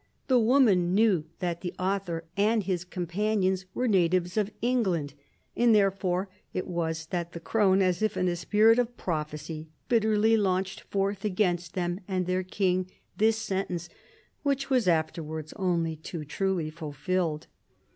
The woman knew that the author and his companions were natives of England, and therefore it was that the crone, as if in a spirit of prophecy, bitterly launched forth against them and their king this sentence, which was afterwards only too truly fulfilled."